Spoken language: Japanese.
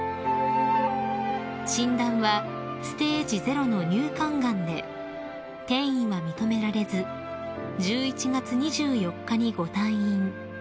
［診断はステージ０の乳管がんで転移は認められず１１月２４日にご退院］